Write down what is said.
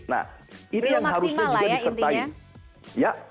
nah ini yang harusnya juga disertai